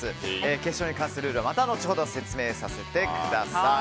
決勝に関するルールは後ほど説明させてください。